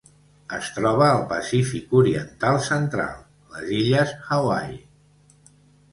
Es troba al Pacífic oriental central: les illes Hawaii.